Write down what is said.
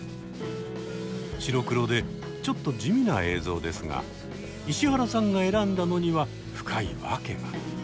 白黒でちょっと地味な映像ですが石原さんが選んだのには深い訳が。